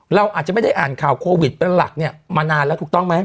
เราอาจจะไม่ได้อ่านข่าวโควิดเป็นหลักเนี่ยมานานแล้วถูกต้องไหม